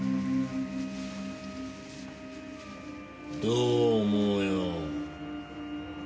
どう思うよ？